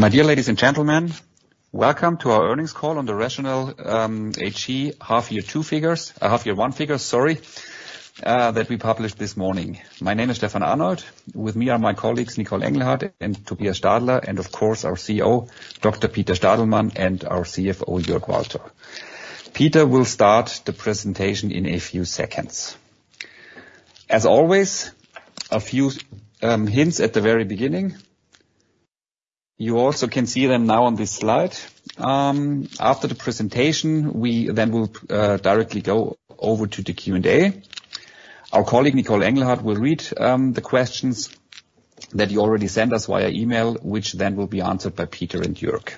My dear ladies and gentlemen, welcome to our earnings call on the RATIONAL AG H1 half-year 1 figures that we published this morning. My name is Stefan Arnold. With me are my colleagues, Nicole Engelhardt and Tobias Stadler, and of course, our CEO, Dr. Peter Stadelmann, and our CFO, Jörg Walter. Peter will start the presentation in a few seconds. As always, a few hints at the very beginning. You also can see them now on this slide. After the presentation, we then will directly go over to the Q&A. Our colleague, Nicole Engelhardt, will read the questions that you already sent us via email, which then will be answered by Peter and Jörg.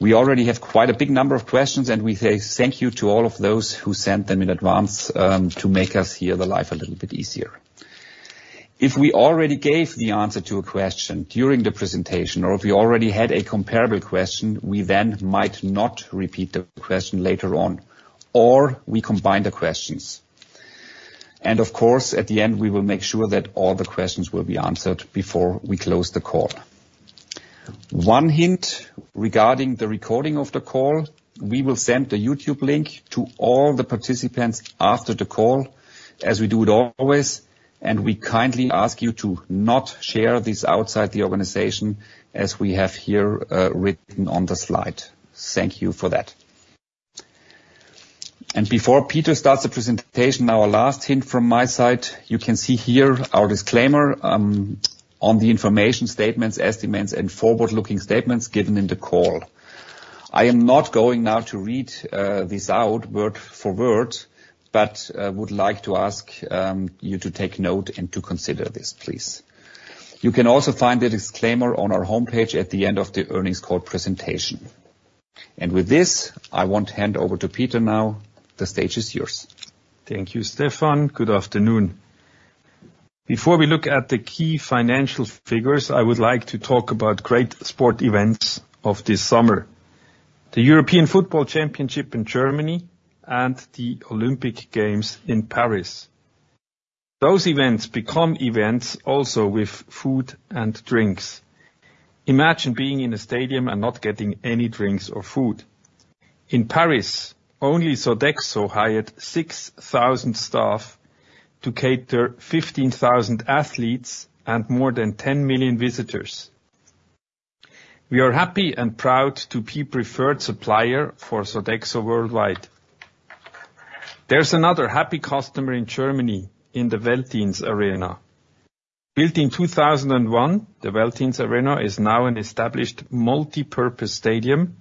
We already have quite a big number of questions, and we say thank you to all of those who sent them in advance, to make us here the life a little bit easier. If we already gave the answer to a question during the presentation, or if we already had a comparable question, we then might not repeat the question later on, or we combine the questions. And of course, at the end, we will make sure that all the questions will be answered before we close the call. One hint regarding the recording of the call, we will send a YouTube link to all the participants after the call, as we do it always, and we kindly ask you to not share this outside the organization as we have here, written on the slide. Thank you for that. And before Peter starts the presentation, our last hint from my side, you can see here our disclaimer on the information statements, estimates, and forward-looking statements given in the call. I am not going now to read this out word for word, but would like to ask you to take note and to consider this, please. You can also find the disclaimer on our homepage at the end of the earnings call presentation. And with this, I want to hand over to Peter now. The stage is yours. Thank you, Stefan. Good afternoon. Before we look at the key financial figures, I would like to talk about great sport events of this summer: the European Football Championship in Germany and the Olympic Games in Paris. Those events become events also with food and drinks. Imagine being in a stadium and not getting any drinks or food. In Paris, only Sodexo hired 6,000 staff to cater 15,000 athletes and more than 10 million visitors. We are happy and proud to be preferred supplier for Sodexo worldwide. There's another happy customer in Germany, in the Veltins-Arena. Built in 2001, the Veltins-Arena is now an established multipurpose stadium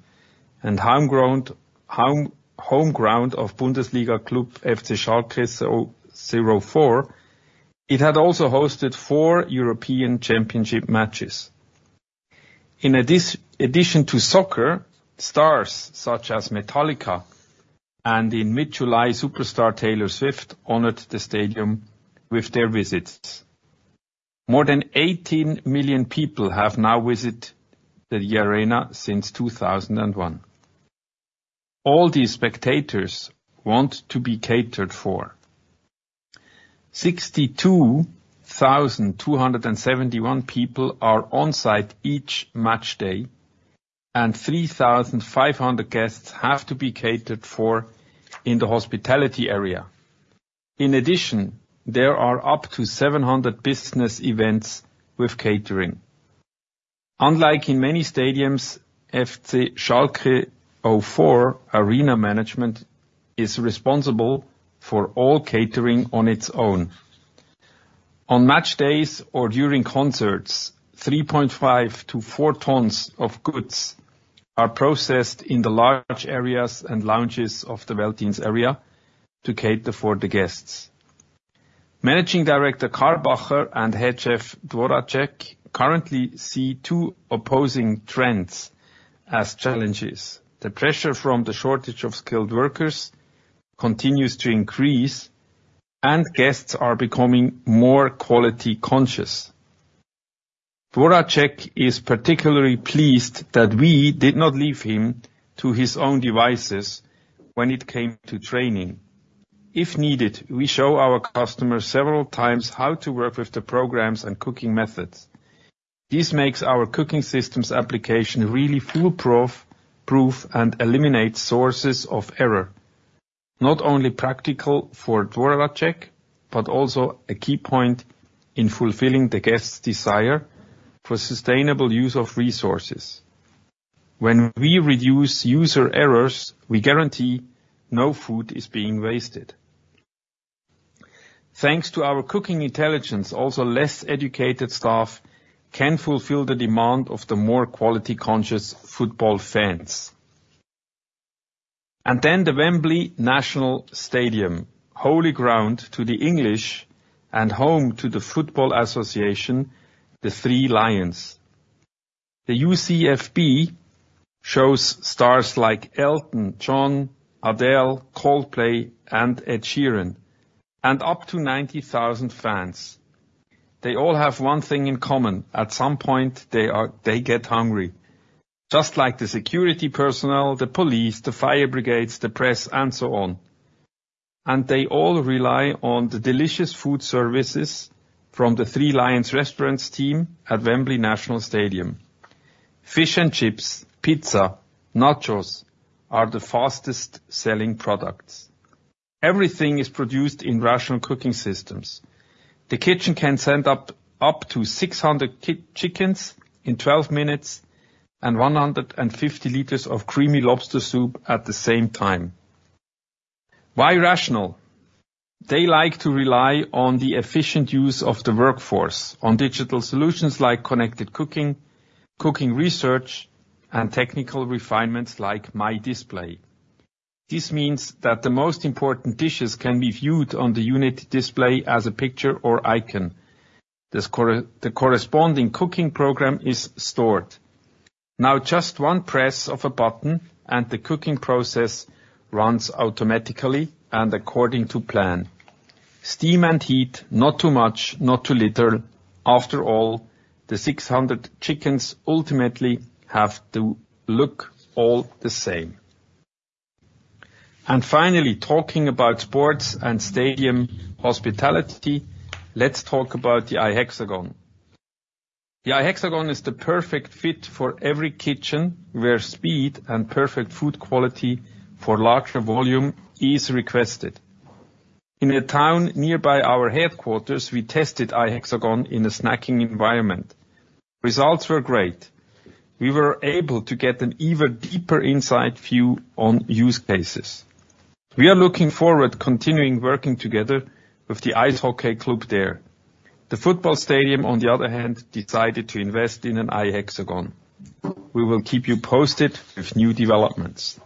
and home ground of Bundesliga Club FC Schalke 04. It had also hosted four European Championship matches. In addition to soccer, stars such as Metallica and, in mid-July, superstar Taylor Swift honored the stadium with their visits. More than 18 million people have now visit the arena since 2001. All these spectators want to be catered for. 62,271 people are on site each match day, and 3,500 guests have to be catered for in the hospitality area. In addition, there are up to 700 business events with catering. Unlike in many stadiums, FC Schalke 04 arena management is responsible for all catering on its own. On match days or during concerts, 3.5-4 tons of goods are processed in the large areas and lounges of the Veltins-Arena to cater for the guests. Managing Director Karbacher and Head Chef Dworaczek currently see two opposing trends as challenges. The pressure from the shortage of skilled workers continues to increase, and guests are becoming more quality conscious. Dworaczek is particularly pleased that we did not leave him to his own devices when it came to training. If needed, we show our customers several times how to work with the programs and cooking methods. This makes our cooking systems application really foolproof and eliminates sources of error. Not only practical for Dworaczek, but also a key point in fulfilling the guest's desire for sustainable use of resources. When we reduce user errors, we guarantee no food is being wasted. Thanks to our cooking intelligence, also less educated staff can fulfill the demand of the more quality conscious football fans. And then the Wembley Stadium, holy ground to the English and home to the Football Association, the Three Lions. The UCFB shows stars like Elton John, Adele, Coldplay, and Ed Sheeran, and up to 90,000 fans. They all have one thing in common. At some point, they get hungry, just like the security personnel, the police, the fire brigades, the press, and so on... They all rely on the delicious food services from the Three Lions restaurants team at Wembley National Stadium. Fish and chips, pizza, nachos are the fastest-selling products. Everything is produced in Rational Cooking Systems. The kitchen can send up to 600 chickens in 12 minutes and 150 liters of creamy lobster soup at the same time. Why Rational? They like to rely on the efficient use of the workforce, on digital solutions like ConnectedCooking, Cooking Research, and technical refinements like MyDisplay. This means that the most important dishes can be viewed on the unit display as a picture or icon. The corresponding cooking program is stored. Now, just one press of a button, and the cooking process runs automatically and according to plan. Steam and heat, not too much, not too little. After all, the 600 chickens ultimately have to look all the same. And finally, talking about sports and stadium hospitality, let's talk about the iHexagon. The iHexagon is the perfect fit for every kitchen, where speed and perfect food quality for larger volume is requested. In a town nearby our headquarters, we tested iHexagon in a snacking environment. Results were great. We were able to get an even deeper insight view on use cases. We are looking forward to continuing working together with the ice hockey club there. The football stadium, on the other hand, decided to invest in an iHexagon. We will keep you posted with new developments.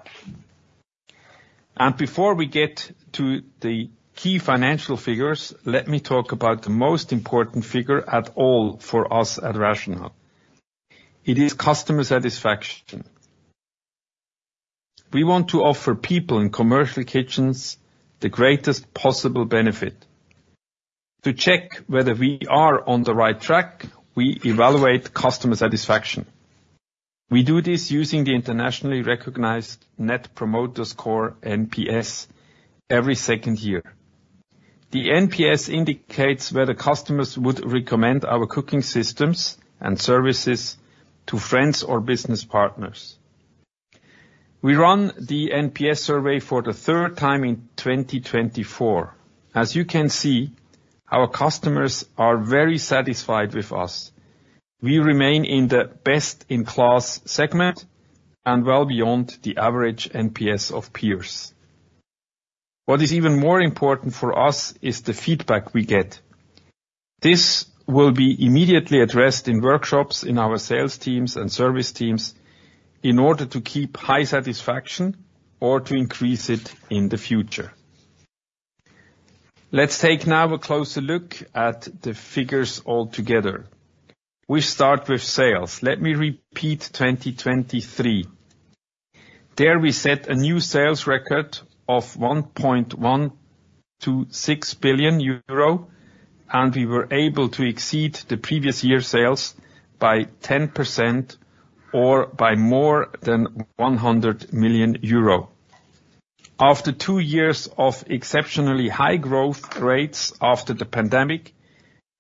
Before we get to the key financial figures, let me talk about the most important figure at all for us at Rational. It is customer satisfaction. We want to offer people in commercial kitchens the greatest possible benefit. To check whether we are on the right track, we evaluate customer satisfaction. We do this using the internationally recognized Net Promoter Score, NPS, every second year. The NPS indicates whether customers would recommend our cooking systems and services to friends or business partners. We run the NPS survey for the third time in 2024. As you can see, our customers are very satisfied with us. We remain in the best-in-class segment and well beyond the average NPS of peers. What is even more important for us is the feedback we get. This will be immediately addressed in workshops, in our sales teams and service teams, in order to keep high satisfaction or to increase it in the future. Let's take now a closer look at the figures altogether. We start with sales. Let me repeat 2023. There we set a new sales record of 1.126 billion euro, and we were able to exceed the previous year sales by 10% or by more than 100 million euro. After two years of exceptionally high growth rates after the pandemic,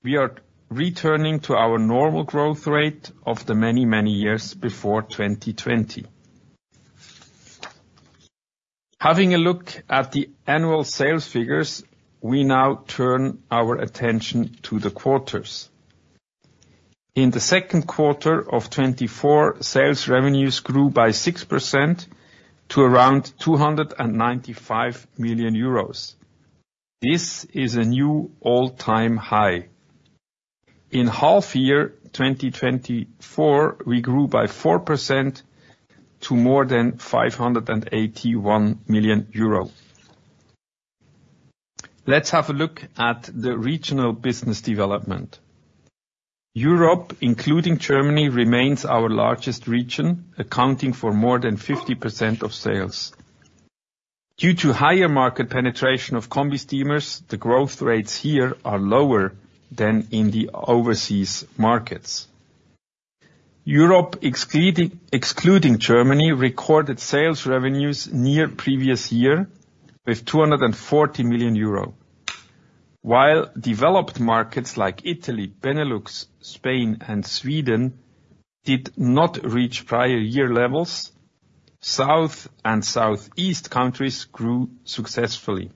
we are returning to our normal growth rate of the many, many years before 2020. Having a look at the annual sales figures, we now turn our attention to the quarters. In the second quarter of 2024, sales revenues grew by 6% to around 295 million euros. This is a new all-time high. In half year 2024, we grew by 4% to more than 581 million euro. Let's have a look at the regional business development. Europe, including Germany, remains our largest region, accounting for more than 50% of sales. Due to higher market penetration of combi steamers, the growth rates here are lower than in the overseas markets. Europe, excluding Germany, recorded sales revenues near previous year with 240 million euro. While developed markets like Italy, Benelux, Spain, and Sweden did not reach prior year levels, South and Southeast countries grew successfully.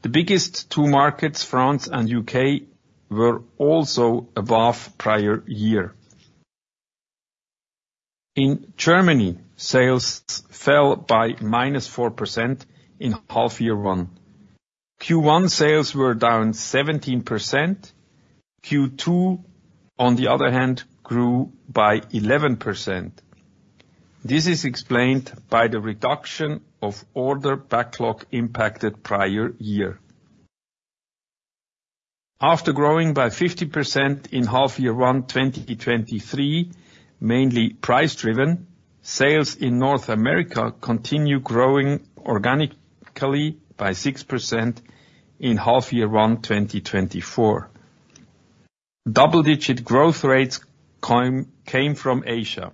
The biggest two markets, France and UK, were also above prior year. In Germany, sales fell by -4% in half year 1. Q1 sales were down 17%. Q2, on the other hand, grew by 11%. This is explained by the reduction of order backlog impacted prior year. After growing by 50% in half year one, 2023, mainly price-driven, sales in North America continue growing organically by 6% in half year one, 2024. Double-digit growth rates came from Asia.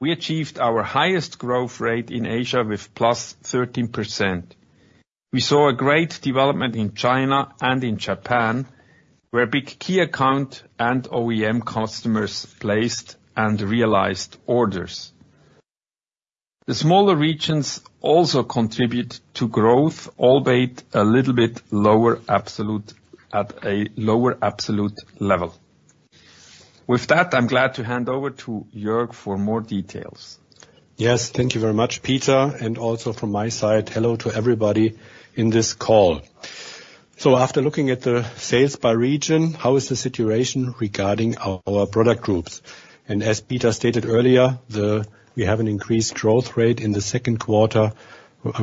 We achieved our highest growth rate in Asia with +13%. We saw a great development in China and in Japan, where big key account and OEM customers placed and realized orders. The smaller regions also contribute to growth, albeit a little bit lower absolute, at a lower absolute level. With that, I'm glad to hand over to Jörg for more details. Yes, thank you very much, Peter, and also from my side, hello to everybody in this call. So after looking at the sales by region, how is the situation regarding our product groups? And as Peter stated earlier, we have an increased growth rate in the second quarter,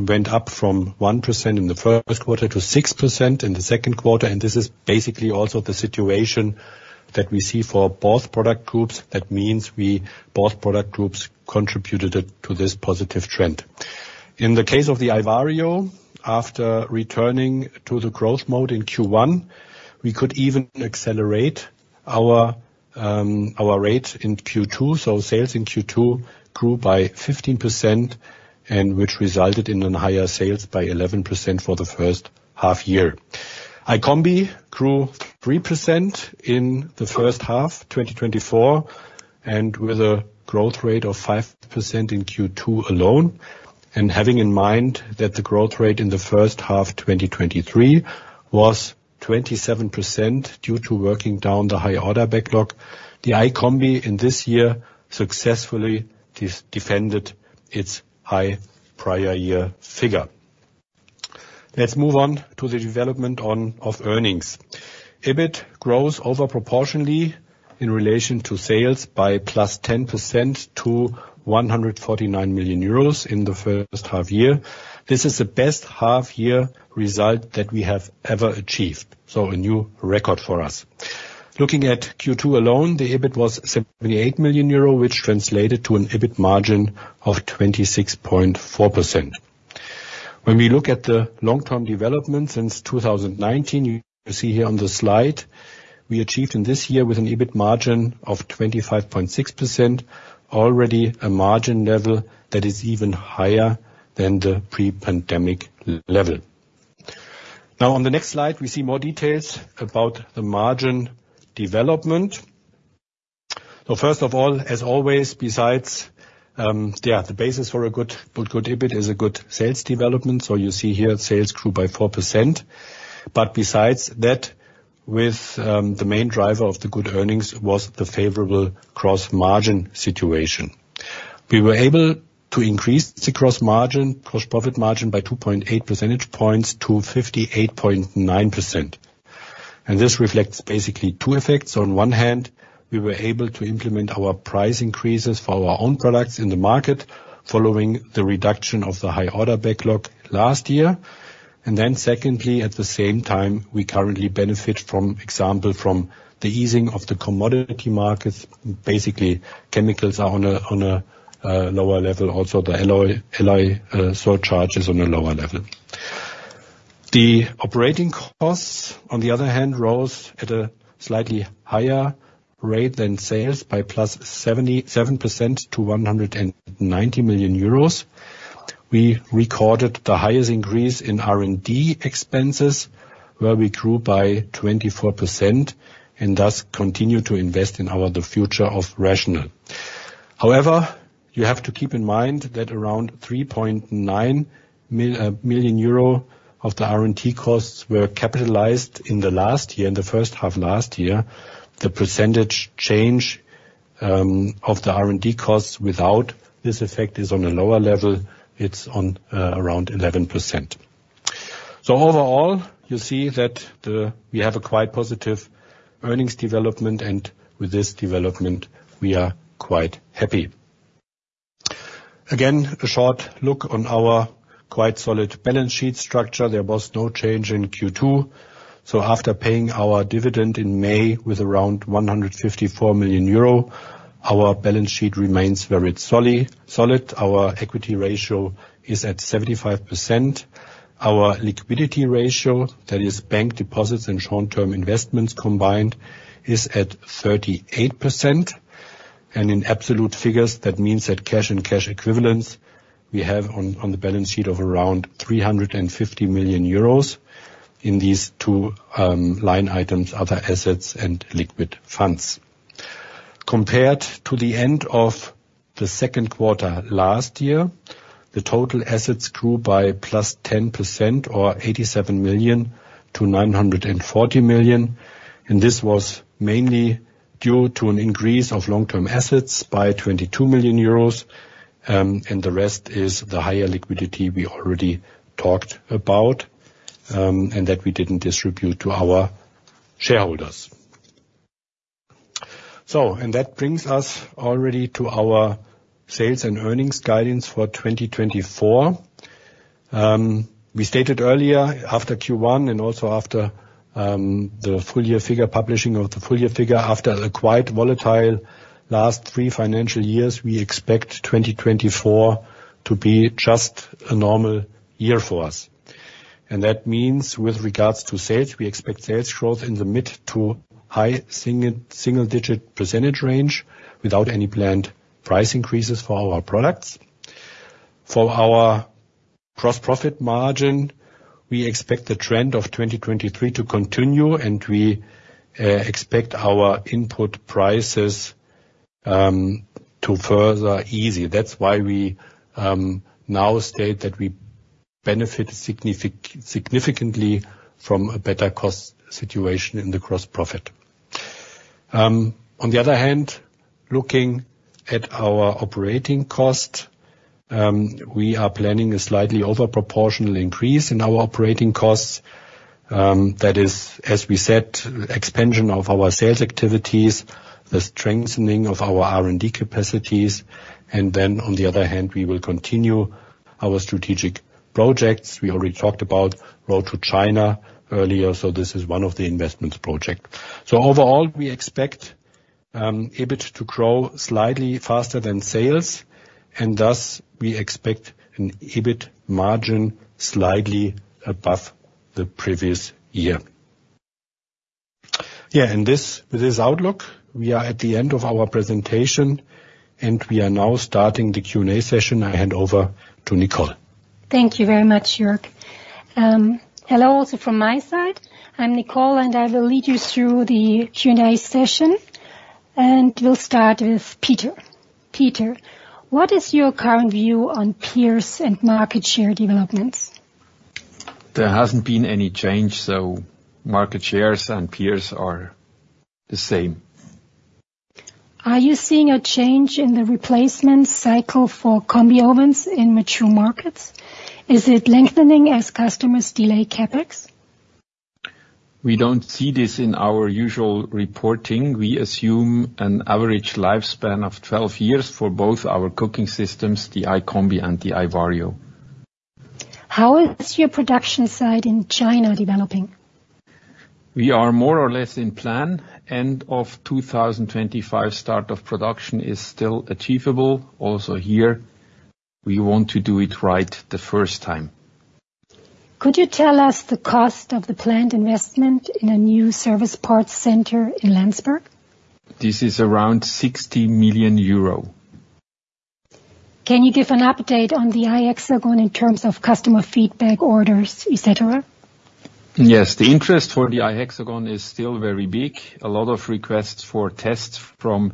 went up from 1% in the first quarter to 6% in the second quarter, and this is basically also the situation that we see for both product groups. That means we, both product groups contributed to this positive trend. In the case of the iVario, after returning to the growth mode in Q1, we could even accelerate our rate in Q2. So sales in Q2 grew by 15%, and which resulted in higher sales by 11% for the first half year. iCombi grew 3% in the first half, 2024, and with a growth rate of 5% in Q2 alone, and having in mind that the growth rate in the first half, 2023, was 27%, due to working down the high order backlog. The iCombi, in this year, successfully defended its high prior year figure. Let's move on to the development of earnings. EBIT grows over proportionally in relation to sales by +10% to 149 million euros in the first half year. This is the best half year result that we have ever achieved, so a new record for us. Looking at Q2 alone, the EBIT was 78 million euro, which translated to an EBIT margin of 26.4%. When we look at the long-term development since 2019, you see here on the slide, we achieved in this year with an EBIT margin of 25.6%, already a margin level that is even higher than the pre-pandemic level. Now, on the next slide, we see more details about the margin development. So first of all, as always, besides the basis for a good, good EBIT is a good sales development. So you see here sales grew by 4%. But besides that, the main driver of the good earnings was the favorable gross-margin situation. We were able to increase the gross margin, gross-profit margin by 2.8 percentage points to 58.9%. And this reflects basically two effects. On one hand, we were able to implement our price increases for our own products in the market, following the reduction of the high order backlog last year. And then secondly, at the same time, we currently benefit from, example, from the easing of the commodity markets. Basically, chemicals are on a lower level, also, the alloy surcharge is on a lower level. The operating costs, on the other hand, rose at a slightly higher rate than sales by +77% to 190 million euros. We recorded the highest increase in R&D expenses, where we grew by 24%, and thus continued to invest in our, the future of Rational. However, you have to keep in mind that around 3.9 million euro of the R&D costs were capitalized in the last year, in the first half of last year. The percentage change of the R&D costs without this effect is on a lower level. It's on around 11%. So overall, you see that we have a quite positive earnings development, and with this development, we are quite happy. Again, a short look on our quite solid balance sheet structure. There was no change in Q2, so after paying our dividend in May with around 154 million euro, our balance sheet remains very solid. Our equity ratio is at 75%. Our liquidity ratio, that is bank deposits and short-term investments combined, is at 38%, and in absolute figures, that means that cash and cash equivalents we have on the balance sheet of around 350 million euros in these two line items, other assets and liquid funds. Compared to the end of the second quarter last year, the total assets grew by +10% or 87 million to 940 million, and this was mainly due to an increase of long-term assets by 22 million euros, and the rest is the higher liquidity we already talked about, and that we didn't distribute to our shareholders. So, and that brings us already to our sales and earnings guidance for 2024. We stated earlier, after Q1 and also after the publishing of the full year figure, after a quite volatile last three financial years, we expect 2024 to be just a normal year for us.... And that means with regards to sales, we expect sales growth in the mid- to high single-digit % range, without any planned price increases for our products. For our gross profit margin, we expect the trend of 2023 to continue, and we expect our input prices to further ease. That's why we now state that we benefit significantly from a better cost situation in the gross profit. On the other hand, looking at our operating cost, we are planning a slightly over proportional increase in our operating costs. That is, as we said, expansion of our sales activities, the strengthening of our R&D capacities, and then, on the other hand, we will continue our strategic projects. We already talked about Road to China earlier, so this is one of the investments project. So overall, we expect EBIT to grow slightly faster than sales, and thus we expect an EBIT margin slightly above the previous year. Yeah, and with this outlook, we are at the end of our presentation, and we are now starting the Q&A session. I hand over to Nicole. Thank you very much, Jörg. Hello, also from my side. I'm Nicole, and I will lead you through the Q&A session. And we'll start with Peter. Peter, what is your current view on peers and market share developments? There hasn't been any change, so market shares and peers are the same. Are you seeing a change in the replacement cycle for combi ovens in mature markets? Is it lengthening as customers delay CapEx? We don't see this in our usual reporting. We assume an average lifespan of 12 years for both our cooking systems, the iCombi and the iVario. How is your production site in China developing? We are more or less in plan. End of 2025, start of production is still achievable. Also here, we want to do it right the first time. Could you tell us the cost of the planned investment in a new service parts center in Landsberg? This is around 60 million euro. Can you give an update on the iHexagon in terms of customer feedback, orders, et cetera? Yes, the interest for the iHexagon is still very big. A lot of requests for tests from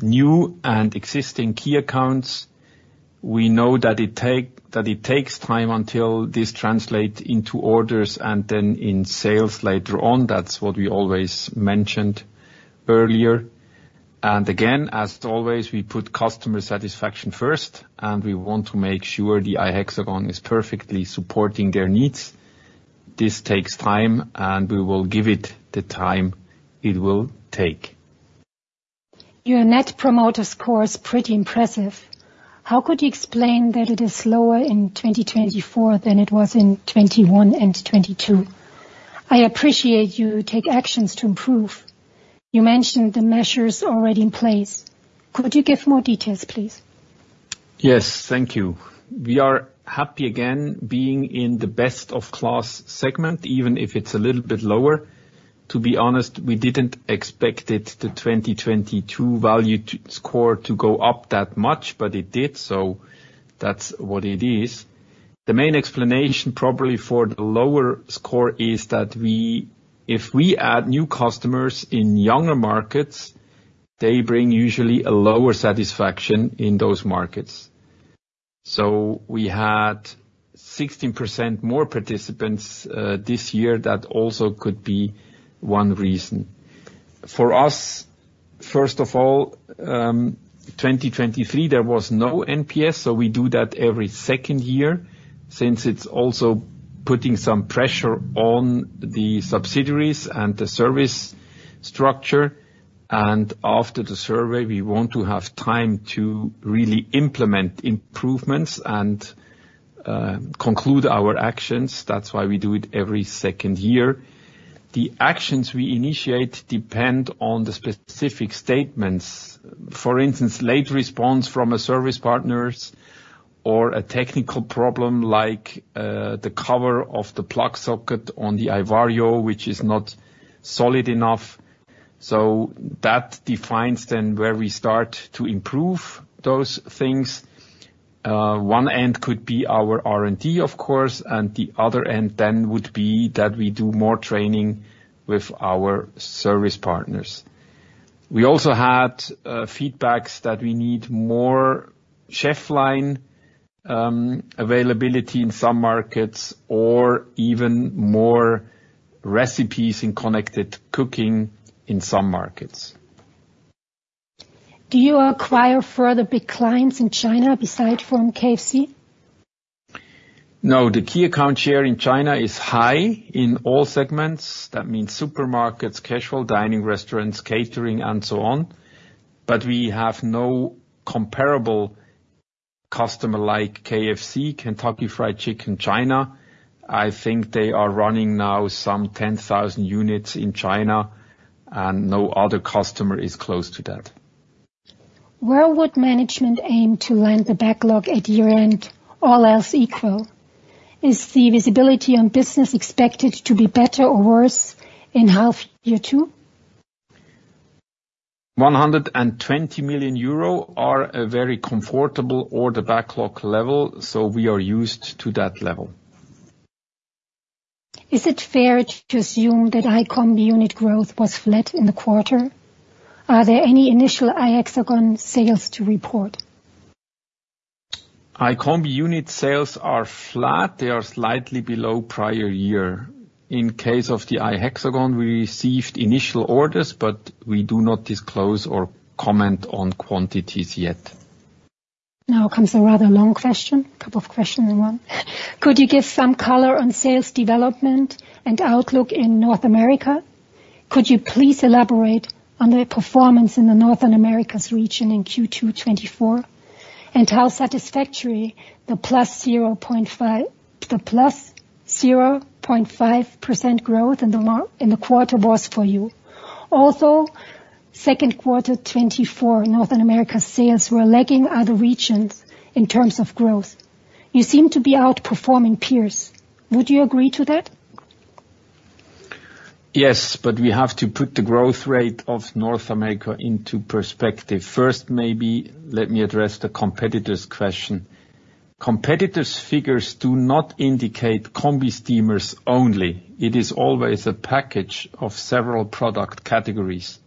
new and existing key accounts. We know that it takes time until this translate into orders and then in sales later on. That's what we always mentioned earlier. And again, as always, we put customer satisfaction first, and we want to make sure the iHexagon is perfectly supporting their needs. This takes time, and we will give it the time it will take. Your Net Promoter Score is pretty impressive. How could you explain that it is lower in 2024 than it was in 2021 and 2022? I appreciate you take actions to improve. You mentioned the measures already in place. Could you give more details, please? Yes, thank you. We are happy again, being in the best of class segment, even if it's a little bit lower. To be honest, we didn't expect it, the 2022 value score to go up that much, but it did, so that's what it is. The main explanation, probably for the lower score, is that we, if we add new customers in younger markets, they bring usually a lower satisfaction in those markets. So we had 16% more participants this year. That also could be one reason. For us, first of all, 2023, there was no NPS, so we do that every second year, since it's also putting some pressure on the subsidiaries and the service structure. And after the survey, we want to have time to really implement improvements and conclude our actions. That's why we do it every second year. The actions we initiate depend on the specific statements. For instance, late response from a service partners or a technical problem like the cover of the plug socket on the iVario, which is not solid enough. So that defines then where we start to improve those things. One end could be our R&D, of course, and the other end then would be that we do more training with our service partners. We also had feedbacks that we need more ChefLine availability in some markets, or even more recipes in ConnectedCooking in some markets. Do you acquire further big clients in China besides from KFC? No, the key account share in China is high in all segments. That means supermarkets, casual dining, restaurants, catering, and so on. But we have no comparable customer like KFC, Kentucky Fried Chicken, China. I think they are running now some 10,000 units in China, and no other customer is close to that. ... Where would management aim to land the backlog at year-end, all else equal? Is the visibility on business expected to be better or worse in half year two? 120 million euro are a very comfortable order backlog level, so we are used to that level. Is it fair to assume that iCombi unit growth was flat in the quarter? Are there any initial iHexagon sales to report? iCombi unit sales are flat. They are slightly below prior year. In case of the iHexagon, we received initial orders, but we do not disclose or comment on quantities yet. Now comes a rather long question, a couple of questions in one. Could you give some color on sales development and outlook in North America? Could you please elaborate on the performance in the North America region in Q2 2024, and how satisfactory the +0.5% growth in the quarter was for you. Also, second quarter 2024, North America sales were lagging other regions in terms of growth. You seem to be outperforming peers. Would you agree to that? Yes, but we have to put the growth rate of North America into perspective. First, maybe let me address the competitors question. Competitors' figures do not indicate combi steamers only. It is always a package of several product categories.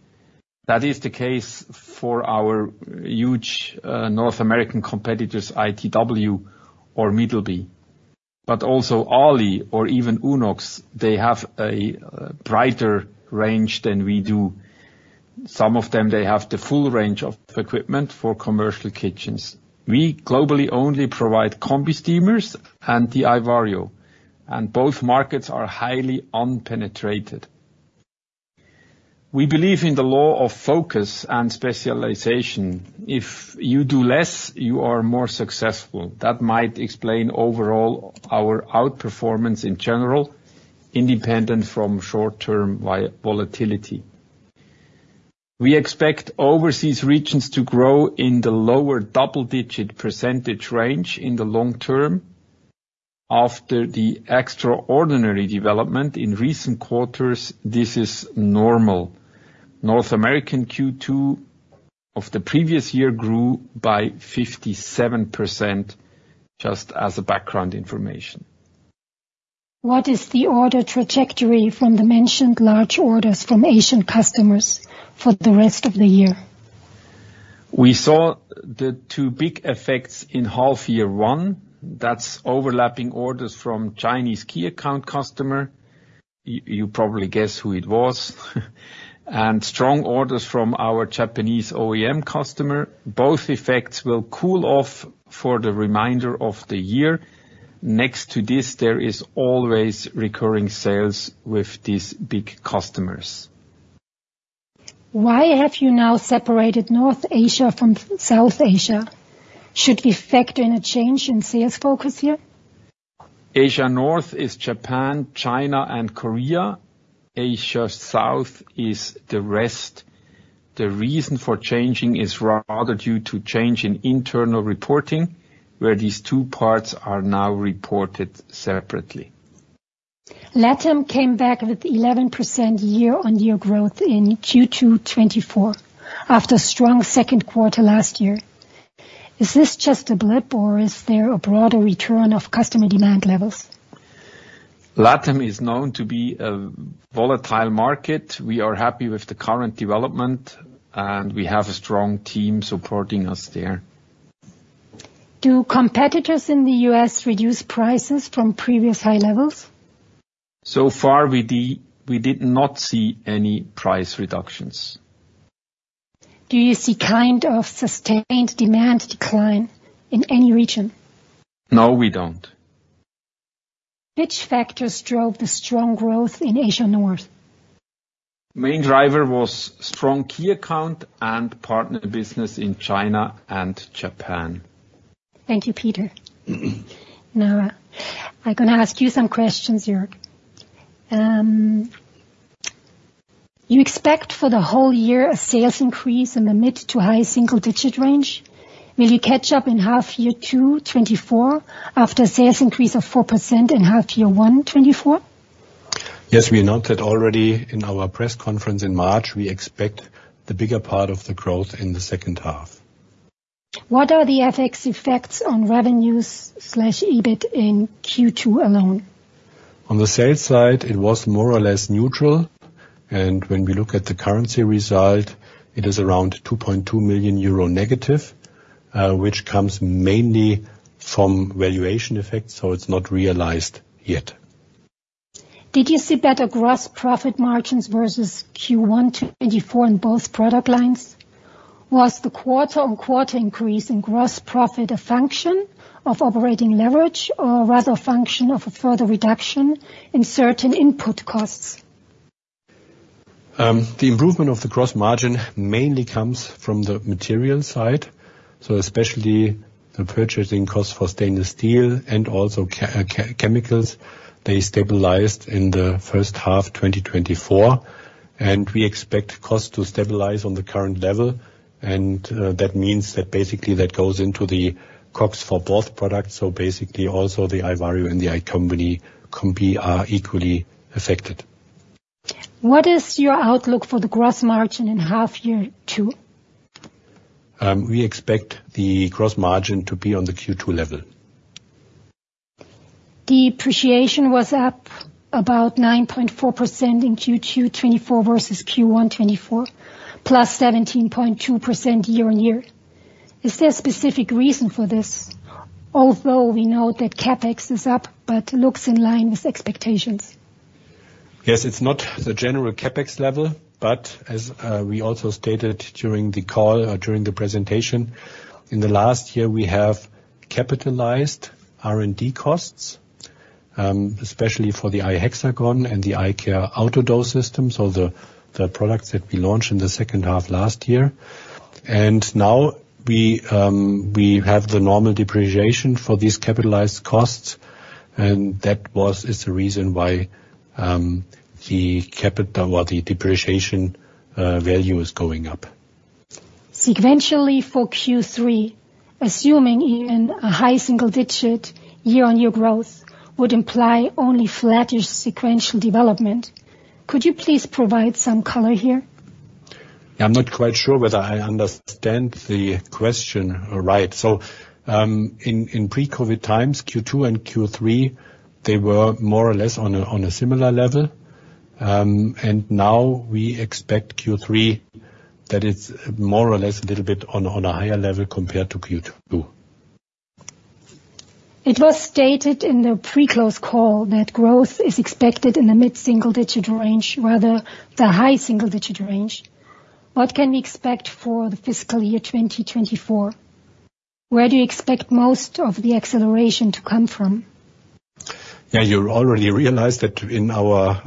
That is the case for our huge North American competitors, ITW or Middleby, but also Ali or even Unox. They have a broader range than we do. Some of them, they have the full range of equipment for commercial kitchens. We globally only provide combi steamers and the iVario, and both markets are highly unpenetrated. We believe in the law of focus and specialization. If you do less, you are more successful. That might explain overall our outperformance in general, independent from short-term volatility. We expect overseas regions to grow in the lower double-digit percentage range in the long term. After the extraordinary development in recent quarters, this is normal. North American Q2 of the previous year grew by 57%, just as a background information. What is the order trajectory from the mentioned large orders from Asian customers for the rest of the year? We saw the two big effects in half year one. That's overlapping orders from Chinese key account customer. You probably guess who it was. And strong orders from our Japanese OEM customer. Both effects will cool off for the remainder of the year. Next to this, there is always recurring sales with these big customers. Why have you now separated North Asia from South Asia? Should we factor in a change in sales focus here? Asia North is Japan, China, and Korea. Asia South is the rest. The reason for changing is rather due to change in internal reporting, where these two parts are now reported separately. LATAM came back with 11% year-on-year growth in Q2 2024, after a strong second quarter last year. Is this just a blip, or is there a broader return of customer demand levels? LATAM is known to be a volatile market. We are happy with the current development, and we have a strong team supporting us there. Do competitors in the U.S. reduce prices from previous high levels? So far, we did not see any price reductions. Do you see kind of sustained demand decline in any region? No, we don't. Which factors drove the strong growth in Asia North? Main driver was strong key account and partner business in China and Japan. Thank you, Peter. Now, I'm gonna ask you some questions, Jörg. You expect for the whole year a sales increase in the mid- to high single-digit range. Will you catch up in half year two 2024 after a sales increase of 4% in half year one 2024? Yes, we announced that already in our press conference in March. We expect the bigger part of the growth in the second half. What are the FX effects on revenues slash EBIT in Q2 alone? On the sales side, it was more or less neutral, and when we look at the currency result, it is around negative 2.2 million euro, which comes mainly from valuation effects, so it's not realized yet. Did you see better gross profit margins versus Q1 2024 in both product lines? Was the quarter-on-quarter increase in gross profit a function of operating leverage or rather a function of a further reduction in certain input costs? The improvement of the gross margin mainly comes from the material side. So especially the purchasing costs for stainless steel and also chemicals, they stabilized in the first half, 2024, and we expect costs to stabilize on the current level. And that means that basically that goes into the costs for both products. So basically, also the iVario and the iCombi are equally affected. What is your outlook for the gross margin in half year two? We expect the gross margin to be on the Q2 level. Depreciation was up about 9.4% in Q2 2024 versus Q1 2024, +17.2% year-on-year. Is there a specific reason for this? Although we know that CapEx is up, but looks in line with expectations. Yes, it's not the general CapEx level, but as we also stated during the call, or during the presentation, in the last year, we have capitalized R&D costs, especially for the iHexagon and the iCareSystem AutoDose systems, so the products that we launched in the second half last year. And now we have the normal depreciation for these capitalized costs, and that is the reason why the capital or the depreciation value is going up. Sequentially for Q3, assuming even a high single digit year-on-year growth would imply only flattish sequential development, could you please provide some color here? I'm not quite sure whether I understand the question right. In pre-COVID times, Q2 and Q3, they were more or less on a similar level. Now we expect Q3, that it's more or less a little bit on a higher level compared to Q2. It was stated in the pre-close call that growth is expected in the mid-single-digit range, rather than the high single-digit range. What can we expect for the fiscal year 2024? Where do you expect most of the acceleration to come from? Yeah, you already realized that in our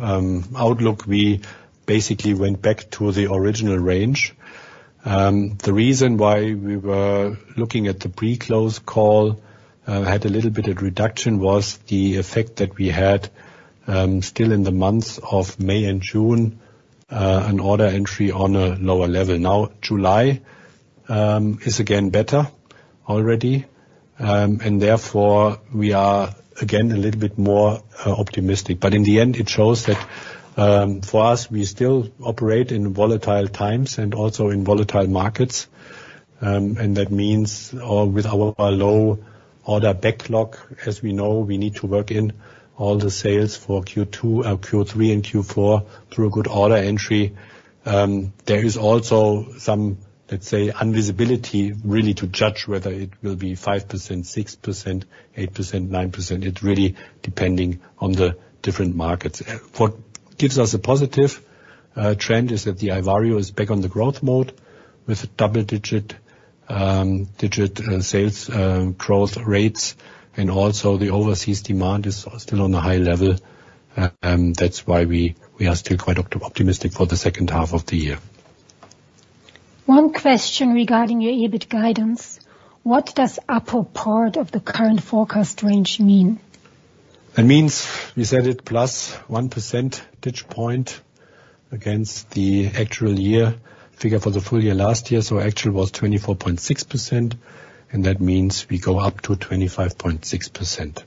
outlook, we basically went back to the original range. The reason why we were looking at the pre-close call had a little bit of reduction was the effect that we had still in the months of May and June an order entry on a lower level. Now, July is again better already, and therefore, we are again a little bit more optimistic. But in the end, it shows that for us, we still operate in volatile times and also in volatile markets. And that means with our low order backlog, as we know, we need to work in all the sales for Q2, Q3, and Q4 through a good order entry. There is also some, let's say, uncertainty, really, to judge whether it will be 5%, 6%, 8%, 9%. It's really depending on the different markets. What gives us a positive trend is that the iVario is back on the growth mode with double-digit sales growth rates, and also the overseas demand is still on a high level. That's why we are still quite optimistic for the second half of the year. One question regarding your EBIT guidance. What does upper part of the current forecast range mean? That means we said it plus one percentage point against the actual year figure for the full year last year, so actual was 24.6%, and that means we go up to 25.6%.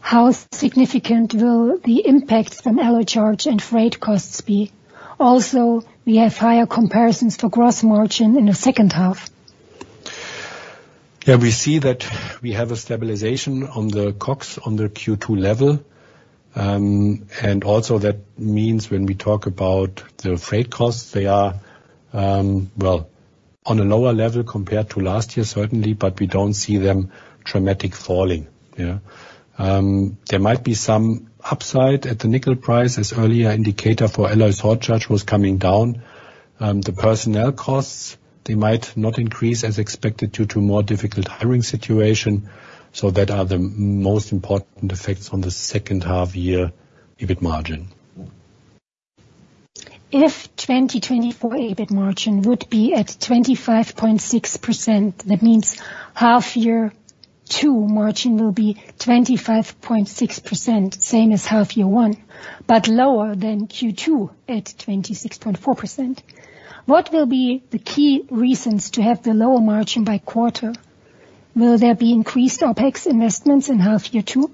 How significant will the impact from alloy charge and freight costs be? Also, we have higher comparisons to gross margin in the second half. Yeah, we see that we have a stabilization on the costs, on the Q2 level. And also that means when we talk about the freight costs, they are, well, on a lower level compared to last year, certainly, but we don't see them dramatically falling. There might be some upside at the nickel price, as earlier indicator for alloys sucharge was coming down. The personnel costs, they might not increase as expected due to more difficult hiring situation. So that are the most important effects on the second half year, EBIT margin. If 2024 EBIT margin would be at 25.6%, that means half year two margin will be 25.6%, same as half year one, but lower than Q2 at 26.4%. What will be the key reasons to have the lower margin by quarter? Will there be increased OpEx investments in half year two?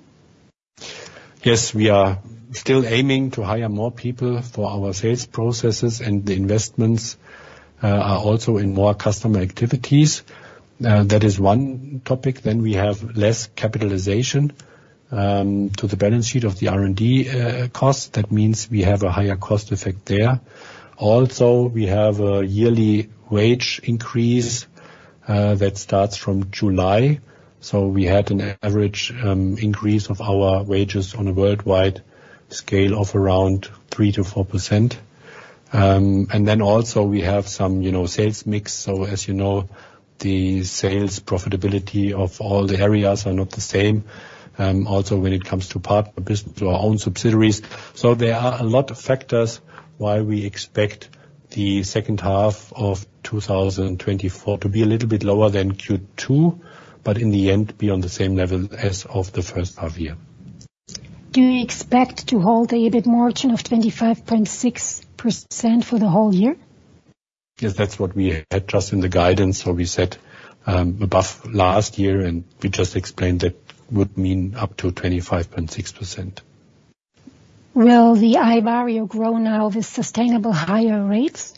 Yes, we are still aiming to hire more people for our sales processes, and the investments are also in more customer activities. That is one topic. Then we have less capitalization to the balance sheet of the R&D cost. That means we have a higher cost effect there. Also, we have a yearly wage increase that starts from July. So we had an average increase of our wages on a worldwide scale of around 3%-4%. And then also we have some, you know, sales mix. So as you know, the sales profitability of all the areas are not the same, also when it comes to partner business, to our own subsidiaries. There are a lot of factors why we expect the second half of 2024 to be a little bit lower than Q2, but in the end, be on the same level as of the first half year. Do you expect to hold the EBIT margin of 25.6% for the whole year? Yes, that's what we had just in the guidance. So we said, above last year, and we just explained that would mean up to 25.6%. Will the iVario grow now with sustainable higher rates?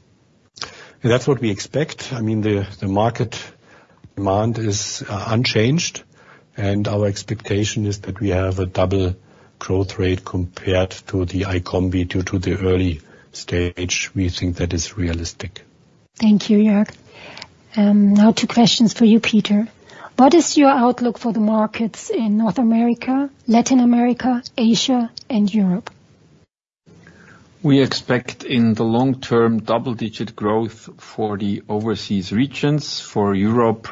That's what we expect. I mean, the market demand is unchanged, and our expectation is that we have a double growth rate compared to the iCombi, due to the early stage. We think that is realistic. Thank you, Jörg. Now two questions for you, Peter. What is your outlook for the markets in North America, Latin America, Asia, and Europe? We expect in the long term, double-digit growth for the overseas regions. For Europe,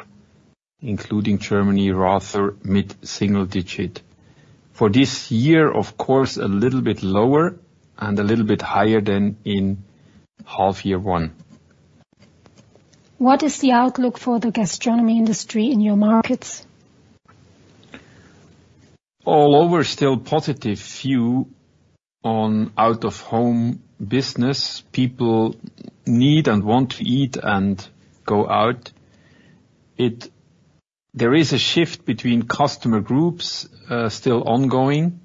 including Germany, rather mid-single digit. For this year, of course, a little bit lower and a little bit higher than in half year one. What is the outlook for the gastronomy industry in your markets? All over, still positive view on out-of-home business. People need and want to eat and go out. There is a shift between customer groups, still ongoing,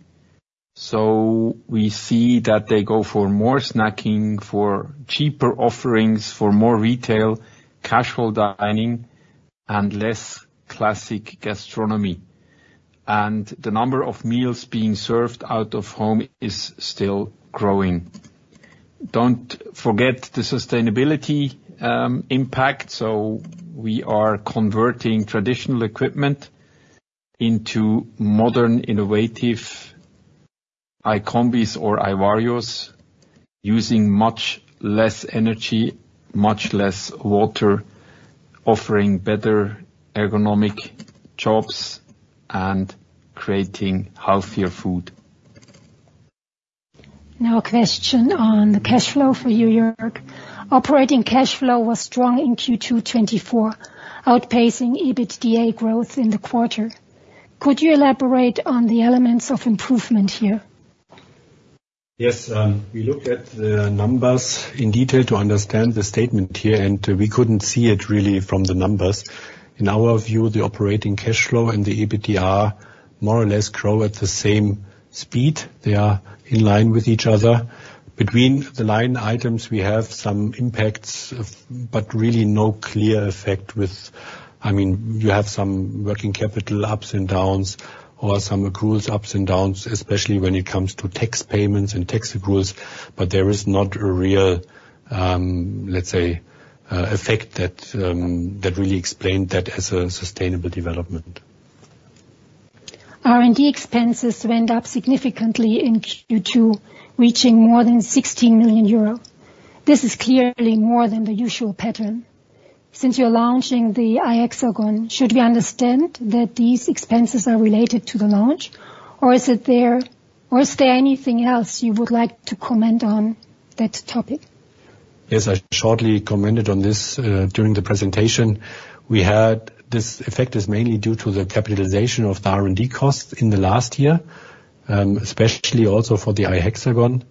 so we see that they go for more snacking, for cheaper offerings, for more retail, casual dining, and less classic gastronomy. And the number of meals being served out of home is still growing. Don't forget the sustainability impact. So we are converting traditional equipment into modern, innovative iCombis or iVarios, using much less energy, much less water, offering better ergonomic jobs, and creating healthier food. Now, a question on the cash flow for you, Jörg. Operating cash flow was strong in Q2 2024, outpacing EBITDA growth in the quarter. Could you elaborate on the elements of improvement here? Yes, we looked at the numbers in detail to understand the statement here, and we couldn't see it really from the numbers. In our view, the operating cash flow and the EBITDA more or less grow at the same speed. They are in line with each other. Between the line items, we have some impacts, but really no clear effect with... I mean, you have some working capital ups and downs or some accruals ups and downs, especially when it comes to tax payments and tax accruals, but there is not a real, let's say, effect that that really explained that as a sustainable development. R&D expenses went up significantly in Q2, reaching more than 16 million euro. This is clearly more than the usual pattern. Since you're launching the iHexagon, should we understand that these expenses are related to the launch, or is there anything else you would like to comment on that topic? Yes, I shortly commented on this during the presentation. We had, this effect is mainly due to the capitalization of the R&D costs in the last year, especially also for the iHexagon.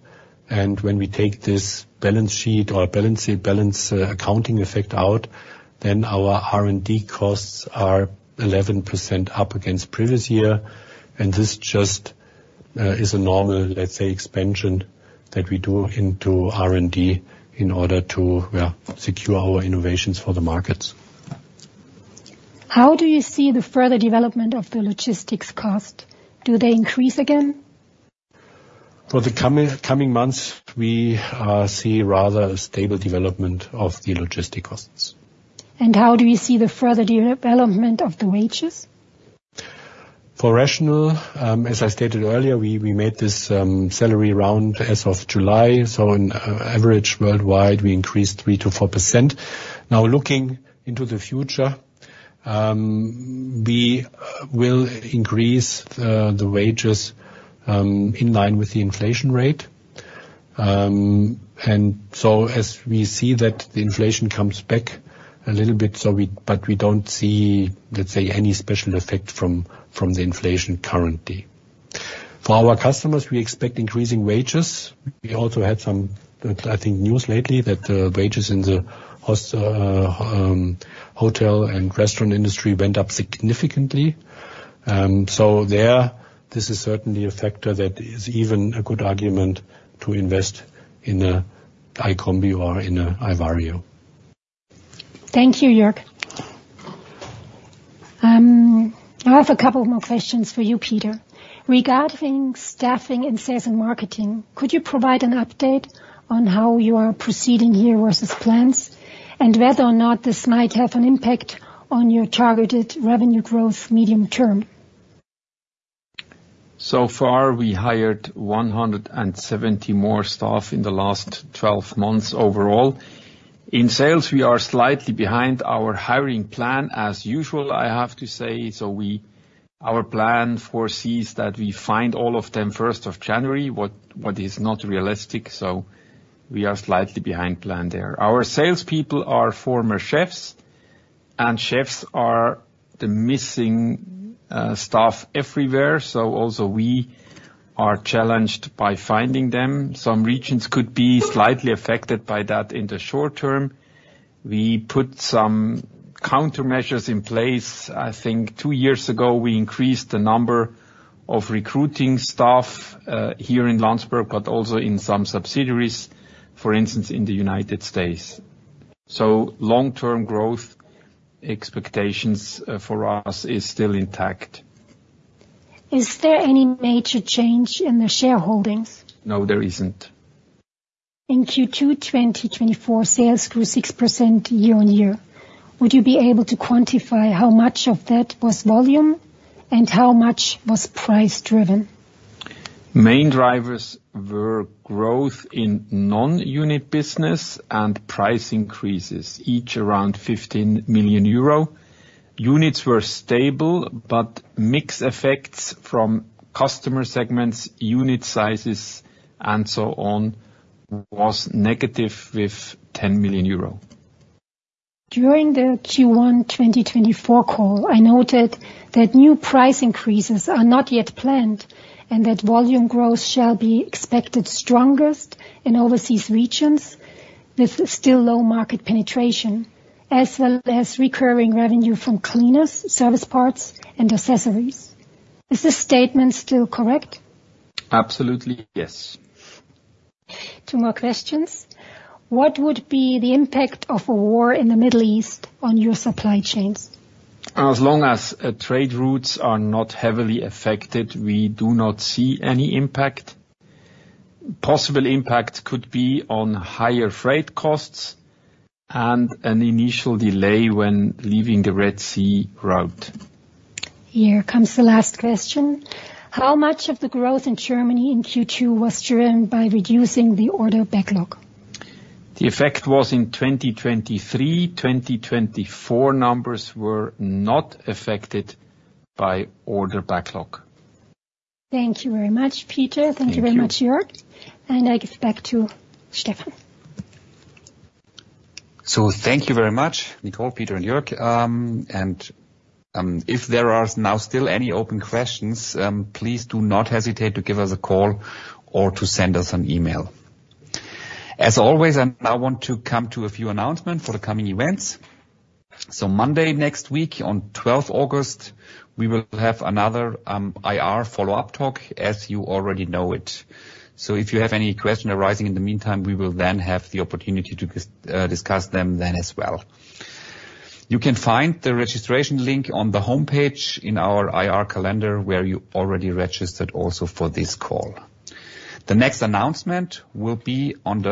And when we take this balance sheet accounting effect out, then our R&D costs are 11% up against previous year. And this just is a normal, let's say, expansion, that we do into R&D in order to secure our innovations for the markets. How do you see the further development of the logistics cost? Do they increase again? For the coming months, we see rather a stable development of the logistics costs. How do you see the further development of the wages? For Rational, as I stated earlier, we made this salary round as of July. On average, worldwide, we increased 3%-4%. Now, looking into the future, we will increase the wages in line with the inflation rate. As we see that the inflation comes back a little bit, but we don't see, let's say, any special effect from the inflation currently. For our customers, we expect increasing wages. We also had some, I think, news lately that the wages in the hospitality hotel and restaurant industry went up significantly. So, this is certainly a factor that is even a good argument to invest in a iCombi or in a iVario. Thank you, Jörg. I have a couple more questions for you, Peter. Regarding staffing in sales and marketing, could you provide an update on how you are proceeding here versus plans, and whether or not this might have an impact on your targeted revenue growth medium term? ... So far, we hired 170 more staff in the last 12 months overall. In sales, we are slightly behind our hiring plan, as usual, I have to say. So, our plan foresees that we find all of them first of January, which is not realistic, so we are slightly behind plan there. Our salespeople are former chefs, and chefs are the missing staff everywhere, so also we are challenged by finding them. Some regions could be slightly affected by that in the short term. We put some countermeasures in place. I think 2 years ago, we increased the number of recruiting staff here in Landsberg, but also in some subsidiaries, for instance, in the United States. So long-term growth expectations for us is still intact. Is there any major change in the shareholdings? No, there isn't. In Q22024, sales grew 6% year-on-year. Would you be able to quantify how much of that was volume and how much was price-driven? Main drivers were growth in non-unit business and price increases, each around 15 million euro. Units were stable, but mix effects from customer segments, unit sizes, and so on, was negative with 10 million euro. During the Q1 2024 call, I noted that new price increases are not yet planned, and that volume growth shall be expected strongest in overseas regions, with still low market penetration, as well as recurring revenue from cleaners, service parts, and accessories. Is this statement still correct? Absolutely, yes. Two more questions. What would be the impact of a war in the Middle East on your supply chains? As long as trade routes are not heavily affected, we do not see any impact. Possible impact could be on higher freight costs and an initial delay when leaving the Red Sea route. Here comes the last question: How much of the growth in Germany in Q2 was driven by reducing the order backlog? The effect was in 2023. 2024 numbers were not affected by order backlog. Thank you very much, Peter. Thank you. Thank you very much, Jörg. I give it back to Stefan. So thank you very much, Nicole, Peter, and Jörg. And if there are now still any open questions, please do not hesitate to give us a call or to send us an email. As always, I now want to come to a few announcements for the coming events. So Monday, next week, on 12th August, we will have another IR follow-up talk, as you already know it. So if you have any question arising in the meantime, we will then have the opportunity to discuss them then as well. You can find the registration link on the homepage in our IR calendar, where you already registered also for this call. The next announcement will be on the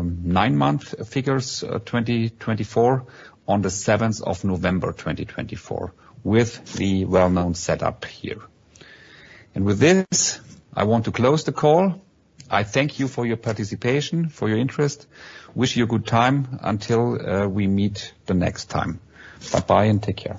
9-month figures, 2024, on the 7th of November 2024, with the well-known setup here. And with this, I want to close the call. I thank you for your participation, for your interest. Wish you a good time until we meet the next time. Bye-bye, and take care.